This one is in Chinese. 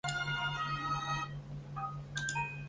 一贯道则有发一灵隐的张氏佛堂。